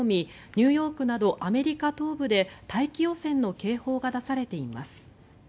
ニューヨークなどアメリカ東部で大気汚染の警報が出されています。